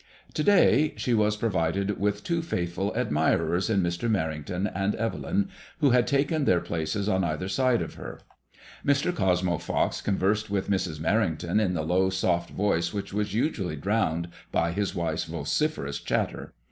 To day she was provided with two faith ful admirers in Mr. Merrington and Evelyn, who had taken their places on either side of her. Mr. Cosmo Fox conversed with Mrs. Uerrington in the low soft voice which was usually drowned by his wife's vociferous chatter.